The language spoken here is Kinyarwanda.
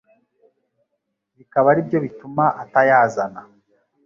bikaba aribyo bituma atayazana.